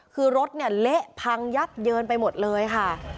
คือรถเนี่ยเละพังยับเยินไปหมดเลยค่ะ